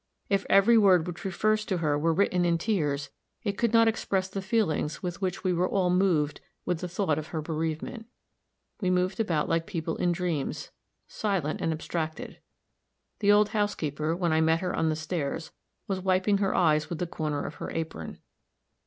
If every word which refers to her were written in tears, it could not express the feelings with which we all were moved with the thought of her bereavement. We moved about like people in dreams, silent and abstracted. The old housekeeper, when I met her on the stairs, was wiping her eyes with the corner of her apron.